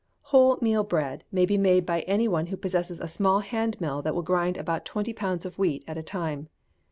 Whole meal bread may be made by any one who possesses a small hand mill that will grind about twenty pounds of wheat at a time.